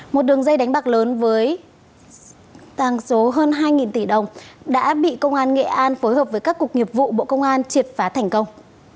một đường dây đánh bạc lớn với tàng số hơn hai tỷ đồng đã bị công an nghệ an phối hợp với các cục nghiệp vụ bộ công an triệt phá thành công